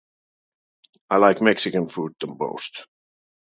I like Mexican food the most.